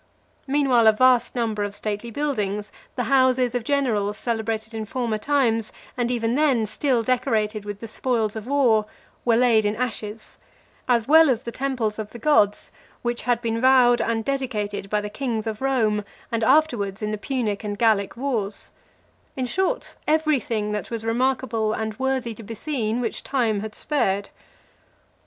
Meanwhile, a vast number of stately buildings, the houses of generals celebrated in former times, and even then still decorated with the spoils of war, were laid in ashes; as well as the temples of the gods, which had been vowed and dedicated by the kings of Rome, and afterwards in the Punic and Gallic wars: in short, everything that was remarkable and worthy to be seen which time had spared .